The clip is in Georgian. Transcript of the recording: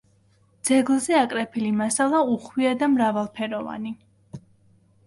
ძეგლზე აკრეფილი მასალა უხვია და მრავალფეროვანი.